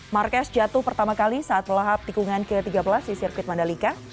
marquez jatuh pertama kali saat melahap tikungan ke tiga belas di sirkuit mandalika